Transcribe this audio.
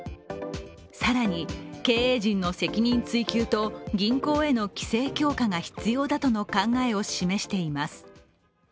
更に、経営陣の責任追及と銀行への規制強化が必要だとの考えを示しています。